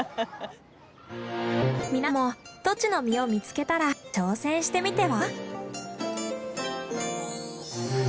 皆さんもトチの実を見つけたら挑戦してみては？